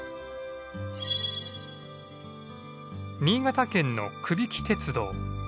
新潟県の頸城鉄道。